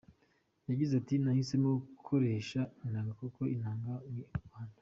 Yagize ati "Nahisemo gukoresha inanga kuko inanga ni u Rwanda.